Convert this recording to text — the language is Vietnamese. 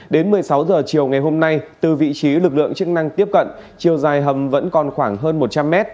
đến một mươi sáu h chiều ngày hôm nay từ vị trí lực lượng chức năng tiếp cận chiều dài hầm vẫn còn khoảng hơn một trăm linh m